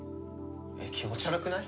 えっ気持ち悪くない？